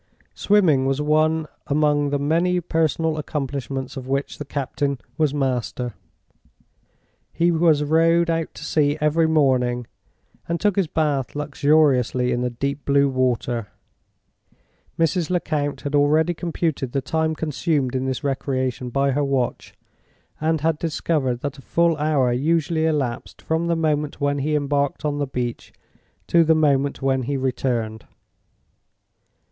Swimming was one among the many personal accomplishments of which the captain was master. He was rowed out to sea every morning, and took his bath luxuriously in the deep blue water. Mrs. Lecount had already computed the time consumed in this recreation by her watch, and had discovered that a full hour usually elapsed from the moment when he embarked on the beach to the moment when he returned.